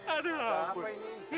aduh apa ini